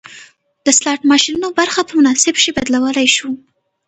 د سلاټ ماشینونو برخه په مناسب شي بدلولی شو